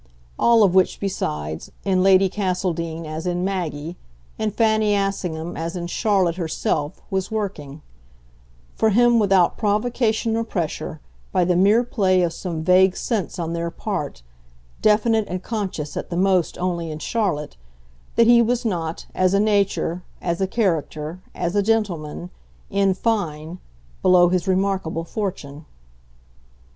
All of which, besides, in Lady Castledean as in Maggie, in Fanny Assingham as in Charlotte herself, was working; for him without provocation or pressure, by the mere play of some vague sense on their part definite and conscious at the most only in Charlotte that he was not, as a nature, as a character, as a gentleman, in fine, below his remarkable fortune.